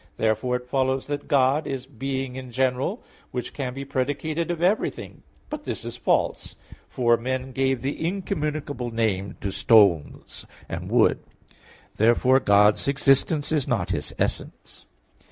Therefore it follows that God is being in general which can be predicated of everything. But this is false: "For men gave the incommunicable name to stones and wood" (Wis. 14:21). Therefore God's existence is not His essence.